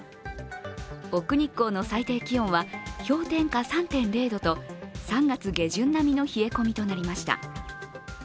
奥日光の最低気温は氷点下３．０度と３月下旬並みの冷え込みとなりました。